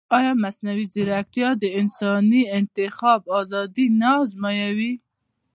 ایا مصنوعي ځیرکتیا د انساني انتخاب ازادي نه ازموي؟